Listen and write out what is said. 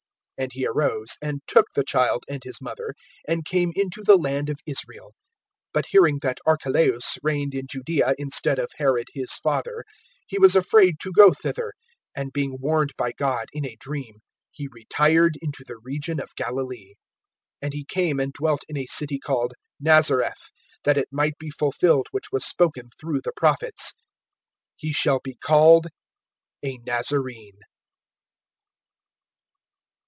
(21)And he arose, and took the child and his mother, and came into the land of Israel. (22)But hearing that Archelaus reigned in Judaea instead of Herod his father, he was afraid to go thither; and being warned by God in a dream, he retired into the region of Galilee. (23)And he came and dwelt in a city called Nazareth; that it might be fulfilled which was spoken through the prophets: He shall be called a Nazarene.